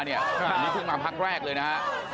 อันนี้เพิ่งมาพักแรกเลยนะฮะ